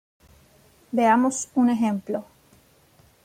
Veamos un ejemplo.